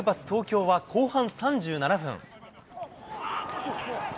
東京は後半３７分。